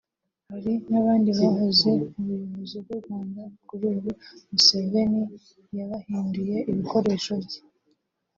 Hari n’abandi bahoze mu buyobozi bw’u Rwanda kuri ubu Museveni yabahinduye ibikoresho bye